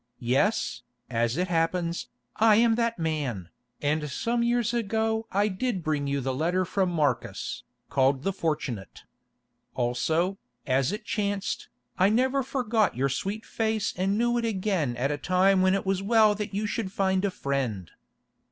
Yes, as it happens, I am that man, and some years ago I did bring you the letter from Marcus, called The Fortunate. Also, as it chanced, I never forgot your sweet face and knew it again at a time when it was well that you should find a friend.